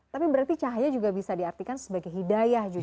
tapi berarti cahaya juga bisa diartikan sebagai hidayah juga